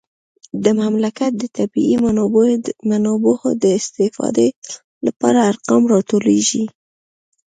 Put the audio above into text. د مملکت د طبیعي منابعو د استفادې لپاره ارقام راټولیږي